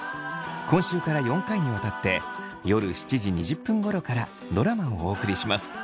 今週から４回にわたって夜７時２０分ごろからドラマをお送りします。